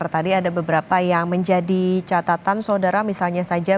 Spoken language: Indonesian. tadi ada beberapa yang menjadi catatan saudara misalnya saja